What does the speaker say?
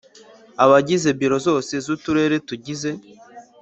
Abagize Biro zose z Uturere tugize